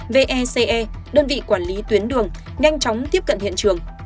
vece đơn vị quản lý tuyến đường nhanh chóng tiếp cận hiện trường